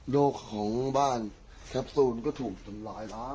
โลกของบ้านแคปซูลก็ถูกจำลายแล้ว